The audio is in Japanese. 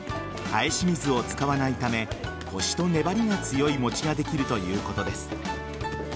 返し水を使わないためコシと粘りが強い餅ができるということです。